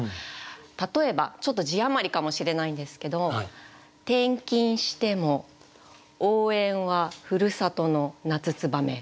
例えばちょっと字余りかもしれないんですけども「転勤しても応援は故郷の夏燕」。